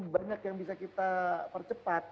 banyak yang bisa kita percepat